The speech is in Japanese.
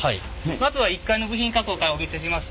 まずは１階の部品加工からお見せします。